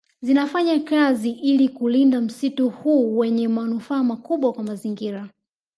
Zinafanya kazi ili kulinda msitu huu wenye manufaa makubwa kwa mazingira